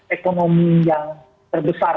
ekonomi yang terbesar